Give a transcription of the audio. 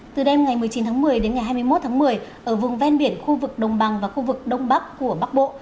từ đêm ngày một mươi chín tháng một mươi đến ngày hai mươi một tháng một mươi ở vùng ven biển khu vực đồng bằng và khu vực đông bắc của bắc bộ